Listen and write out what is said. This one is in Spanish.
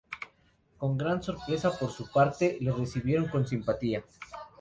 Con gran sorpresa por su parte, le recibieron con simpatía.